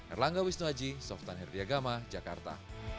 erlangga wisnuaji softan herdiagama jakarta